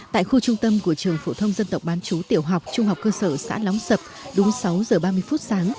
tại khu trung tâm của trường phổ thông dân tộc bán chú tiểu học trung học cơ sở xã lóng sập đúng sáu giờ ba mươi phút sáng